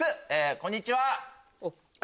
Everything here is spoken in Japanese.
こんにちは。